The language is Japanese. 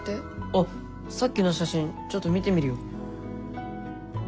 あっさっきの写真ちょっと見てみるよ。